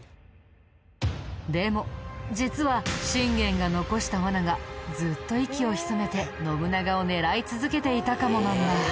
でも実は信玄が残した罠がずっと息を潜めて信長を狙い続けていたかもなんだ。